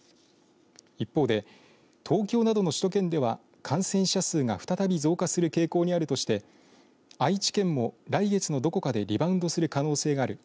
一方で東京などの首都圏では感染者数が再び増加する傾向にあるとして愛知県も、来月のどこかでリバウンドする可能性がある。